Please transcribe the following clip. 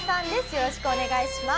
よろしくお願いします。